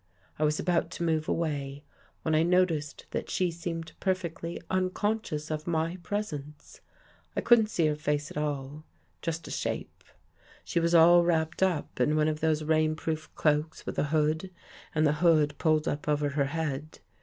I was about to move away, when I noticed that she seemed perfectly un conscious of my presence. I couldn't see her face at all, just a shape. She was all wrapped up in one of those rain proof cloaks with a hood, and the hood pulled up over her head.